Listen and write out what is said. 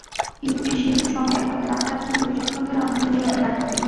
কিন্তু এ সীমিত সময়ে তাদের আচার-আচরণ, বিচক্ষণদের অন্তরে নীরবে দাগ কাটে।